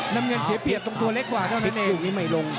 น้ำเองเสียเปียตตัวเล็กกว่าเท่านั้นเอง